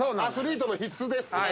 アスリートの必須です。